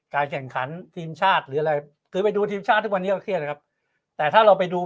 แข่งขันทีมชาติหรืออะไรคือไปดูทีมชาติทุกวันนี้ก็เครียดนะครับแต่ถ้าเราไปดู